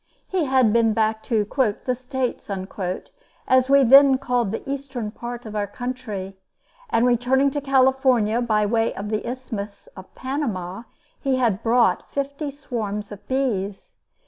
He had been back to "the States," as we then called the eastern part of our country, and returning to California by way of the Isthmus of Panama, he had brought fifty swarms of bees.